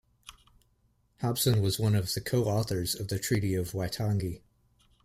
Hobson was one of the co-authors of the Treaty of Waitangi.